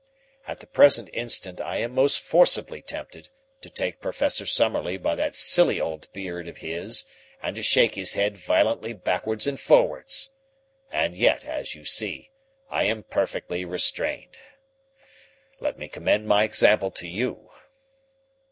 At the present instant I am most forcibly tempted to take Professor Summerlee by that silly old beard of his and to shake his head violently backwards and forwards. And yet, as you see, I am perfectly restrained. Let me commend my example to you."